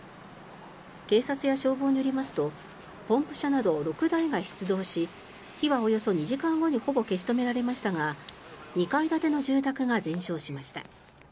警察や消防によりますとポンプ車など６台が出動し火はおよそ２時間後にほぼ消し止められましたが２階建ての住宅が全焼しました。